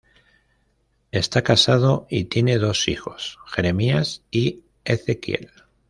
Está casado y tiene dos hijos, Jeremías y Ezequiel.